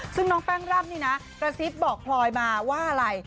ซึ่งน้องแป้งร่ำนี่นะกระซิบบอกพลอยมาว่าอะไร